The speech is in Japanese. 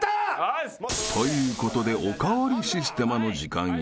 ［ということでおかわりシステマの時間へ］